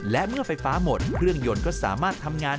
และเมื่อไฟฟ้าหมดเครื่องยนต์ก็สามารถทำงาน